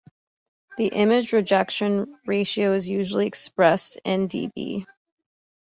The image rejection ratio is usually expressed in dB.